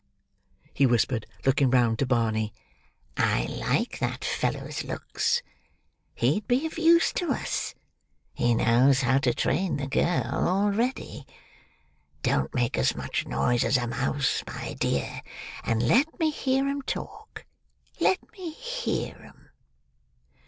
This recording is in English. he whispered, looking round to Barney, "I like that fellow's looks. He'd be of use to us; he knows how to train the girl already. Don't make as much noise as a mouse, my dear, and let me hear 'em talk—let me hear 'em."